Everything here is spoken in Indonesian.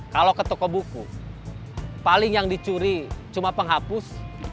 kalau ke toko buku paling yang dicuri cuma penghapus